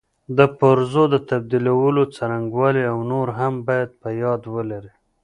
د پرزو د تبدیلولو څرنګوالي او نور هم باید په یاد ولري.